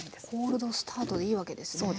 コールドスタートでいいわけですね。